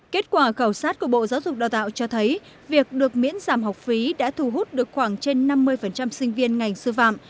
kết quả khảo sát của bộ giáo dục đào tạo cho thấy việc được miễn giảm học phí đã thu hút được khoảng trên năm mươi sinh viên ngành sư phạm